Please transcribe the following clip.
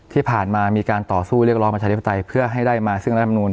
ที่ผ่านมามีการต่อสู้เรียกร้องประชาธิปไตยเพื่อให้ได้มาซึ่งรัฐมนูล